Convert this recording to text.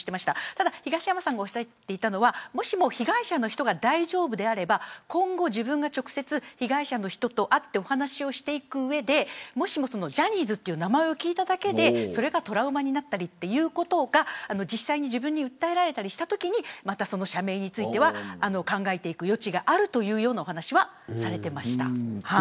ただ、東山さんが言っていたのはもしも被害者の人が大丈夫であれば今後、自分が直接被害者の人と会ってお話をしていく上でもしもジャニーズという名前を聞いただけで、それがトラウマになったりということが実際に訴えられたりしたときに社名については考えていく余地があるというようなお話はされていました。